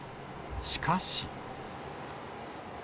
しかし。